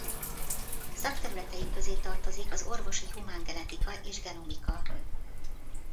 Szakterületei közé tartozik az orvosi humán genetika és genomika.